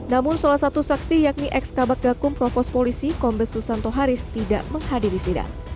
namun salah satu saksi yakni ex kabak gakum provos polisi kombes susanto haris tidak menghadiri sidang